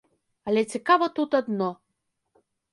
Але цікава тут адно.